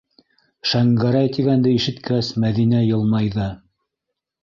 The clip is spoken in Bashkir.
«Шәңгәрәй» тигәнде ишеткәс, Мәҙинә йылмайҙы: